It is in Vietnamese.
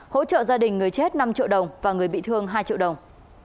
hỗ trợ gia đình người chết năm triệu đồng và người bị thương hai triệu đồng